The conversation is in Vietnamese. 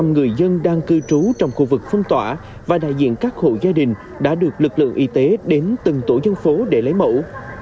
một trăm linh người dân đang cư trú trong khu vực phong tỏa và đại diện các hộ gia đình đã được lực lượng y tế đến từng tổ dân phố để lấy mẫu